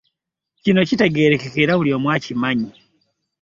Kino kitegeerekeka era buli omu akimanyi.